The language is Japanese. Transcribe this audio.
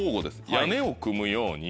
屋根を組むように。